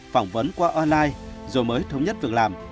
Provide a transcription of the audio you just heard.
phỏng vấn qua online rồi mới thống nhất việc làm